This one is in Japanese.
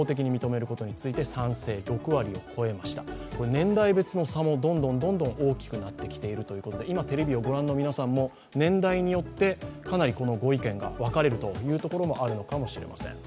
年代別の差もどんどん大きくなってきているということで今、テレビをご覧の皆様も年代によってかなりご意見が分かれるというところもあるのかもしれません。